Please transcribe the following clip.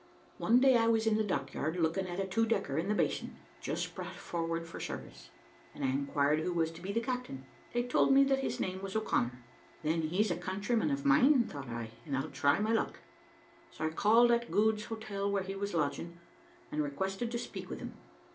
"One day I was in the dock yard, looking at a two decker in the basin, just brought forward for service, and I inquired who was to be the captain. They told me that his name was O'Connor. Then he's a countryman of mine, thought I, and I'll try my luck. So I called at Goud's Hotel, where he was lodging, and requested to speak with him.